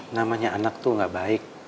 namanya anak tuh gak baik